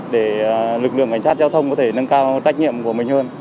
để lực lượng cảnh sát giao thông có thể nâng cao trách nhiệm của mình hơn